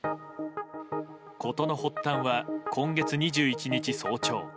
事の発端は今月２１日早朝。